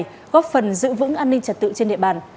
tội phạm này góp phần giữ vững an ninh trật tự trên địa bàn